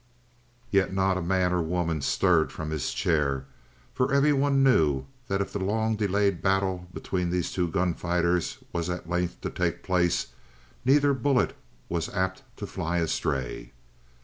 Yet not a man or a woman stirred from his chair, for everyone knew that if the long delayed battle between these two gunfighters was at length to take place, neither bullet was apt to fly astray.